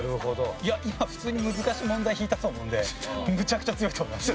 いや今普通に難しい問題引いたと思うのでむちゃくちゃ強いと思います。